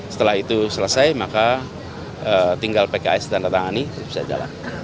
setelah itu selesai maka tinggal pks tanda tangani bisa jalan